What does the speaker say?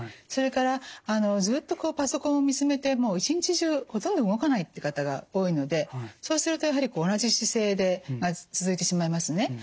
それからずっとパソコンを見つめてもう一日中ほとんど動かないって方が多いのでそうするとやはり同じ姿勢で続いてしまいますね。